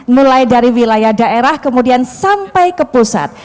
mulai dari wilayah daerah kemudian sampai ke pusat